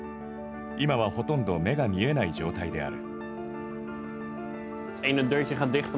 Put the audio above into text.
今はほとんど目が見えない状態である。